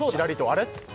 「あれ？